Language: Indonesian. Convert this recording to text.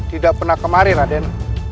tidak pernah kemarin raden